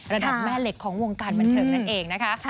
ระดับแม่เหล็กของวงการบันเทิงนั่นเองนะคะ